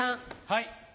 はい。